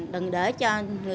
đừng để cho